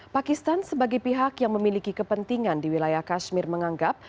pakistan sebagai pihak yang memiliki kepentingan di wilayah kashmir menganggap